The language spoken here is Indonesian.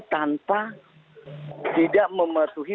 tanpa tidak mematuhi